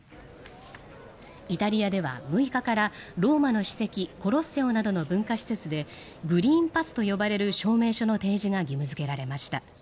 イタリアでは６日からローマの史跡コロッセオなどの文化施設でグリーンパスと呼ばれる証明書の提示が義務付けられました。